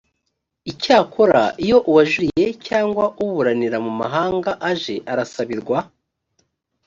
icyakora iyo uwajuriye cyangwa uburanira mumahanga aje arasabirwa